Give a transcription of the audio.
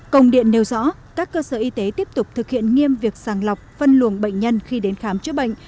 công điện nêu rõ các cơ sở y tế tiếp tục thực hiện nghiêm việc sàng lọc phân luồng bệnh nhân khi đến khám chữa bệnh